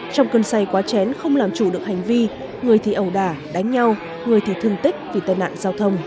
trong cơn say quá chén không làm chủ được hành vi người thì ẩu đả đánh nhau người thì thương tích vì tai nạn giao thông